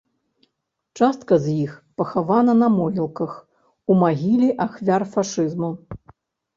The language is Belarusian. Частка з іх пахавана на могілках ў магіле ахвяр фашызму.